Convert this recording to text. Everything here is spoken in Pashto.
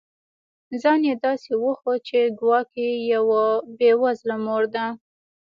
ځان یې داسي وښود چي ګواکي یوه بې وزله مور ده